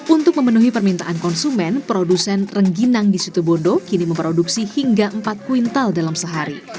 untuk memenuhi permintaan konsumen produsen rengginang di situ bondo kini memproduksi hingga empat kuintal dalam sehari